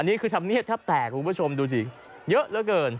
นี่คือธรรมเนียบแทบแตกคุณผู้ชมดูสิเยอะเหลือเกิน